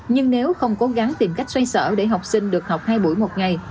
nhưng nếu không cố gắng tìm cách xoay sở để học sinh được học hai buổi một ngày